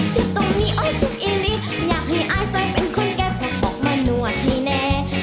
เจ็บตรงนี้โอ๊ยทุกอีรีอยากให้อายใส่เป็นคนแก้ปลอดปลอกมาหนวดให้แน่